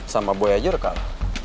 sama boy aja rekam